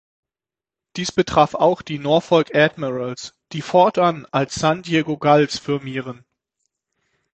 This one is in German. Dies betraf auch die Norfolk Admirals, die fortan als San Diego Gulls firmieren.